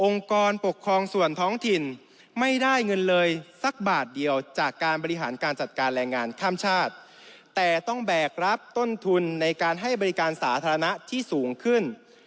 กรปกครองส่วนท้องถิ่นไม่ได้เงินเลยสักบาทเดียวจากการบริหารการจัดการแรงงานข้ามชาติแต่ต้องแบกรับต้นทุนในการให้บริการสาธารณะที่สูงขึ้น